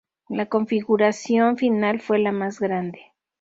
La configuración final fue la más grande.